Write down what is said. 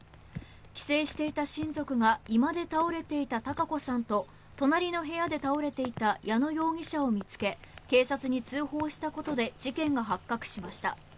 帰省していた親族が居間で倒れていた堯子さんと隣の部屋で倒れていた矢野容疑者を見つけ警察に通報したことで事件が発覚しました。